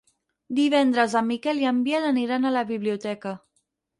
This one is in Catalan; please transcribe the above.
Divendres en Miquel i en Biel aniran a la biblioteca.